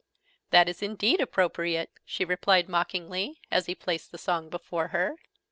"That is indeed appropriate!" she replied mockingly, as he placed the song before her.